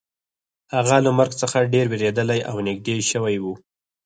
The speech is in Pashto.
هغه له مرګ څخه ډیر ویریدلی او نږدې شوی و